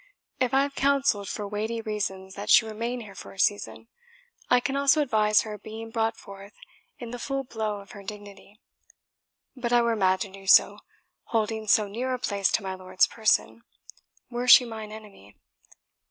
"If I have counselled for weighty reasons that she remain here for a season, I can also advise her being brought forth in the full blow of her dignity. But I were mad to do so, holding so near a place to my lord's person, were she mine enemy.